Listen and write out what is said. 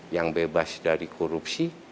yang bebas dari korupsi